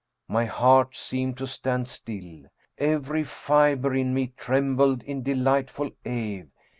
My heart seemed to stand still, every fiber in me trembled in delightful awe.